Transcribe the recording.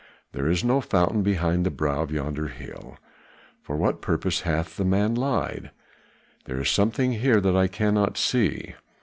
There is no fountain behind the brow of yonder hill. For what purpose hath the man lied? There is something here that I cannot see.